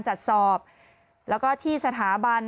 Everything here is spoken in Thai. จัดสอบแล้วก็ที่สถาบัน